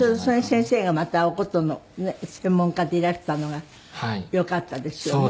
先生がまたお箏の専門家でいらしたのがよかったですよね。